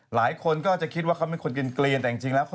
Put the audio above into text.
หลายคนก็จะคิดว่าเขาเป็นคนเกลียนแต่จริงแล้ว